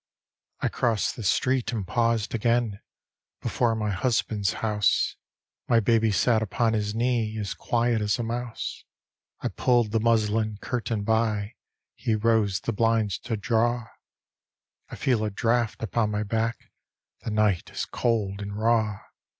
I crossed the street and paused again Before my husband's house, My baby sat upon his knee As quiet as a mouse. I pulled the muslin curtain by, He rose the blinds to draw —" I feel a draught upon my back. The night is cold and raw."